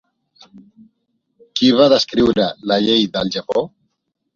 Qui va descriure la llei del Japó?